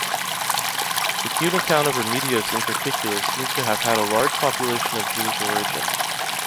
The Cuban town of Remedios in particular seems to have had a large population of Jewish origin.